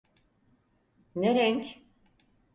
Ne renk?